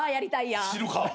知るか！